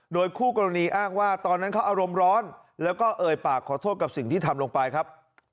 โดยคู่กรณีอ้างว่าตอนนั้นเขาอารมณ์ร้อนแล้วก็เอ่ยปากขอโทษกับสิ่งที่ทำลงไปครับ